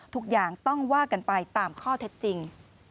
ทุกอย่างต้องว่ากันไปตามข้อเท็จจริง